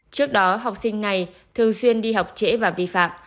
trước đó học sinh này thường xuyên đi học trễ và vi phạm